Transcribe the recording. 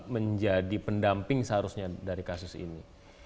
menjadi pendamping seharusnya dari kasus ini